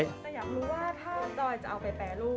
แต่อยากรู้ว่าถ้าดอยจะเอาไปแปรรูป